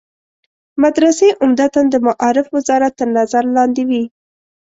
مدرسې عمدتاً د معارف وزارت تر نظر لاندې وي.